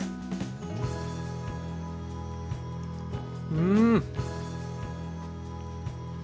うん！